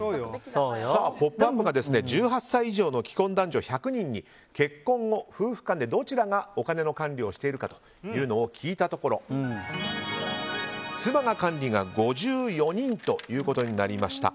「ポップＵＰ！」が１８歳以上の既婚男女１００人に結婚後、夫婦間でどちらがお金の管理をしているか聞いたところ、妻が管理が５４人ということになりました。